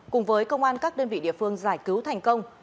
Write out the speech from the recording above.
cùng với công an các đơn vị địa phương giải cứu thành công